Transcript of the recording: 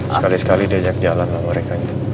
sekali sekali diajak jalan lalu mereka aja